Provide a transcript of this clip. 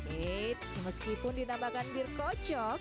eits meskipun ditambahkan bir kocok